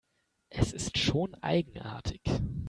Es ist schon eigenartig.